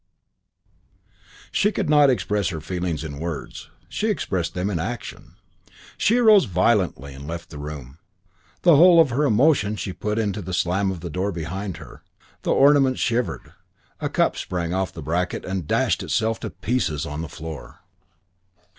She could not express her feelings in words. She expressed them in action. She arose violently and left the room. The whole of her emotions she put into the slam of the door behind her. The ornaments shivered. A cup sprang off a bracket and dashed itself to pieces on the floor.